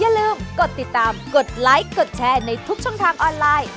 อย่าลืมกดติดตามกดไลค์กดแชร์ในทุกช่องทางออนไลน์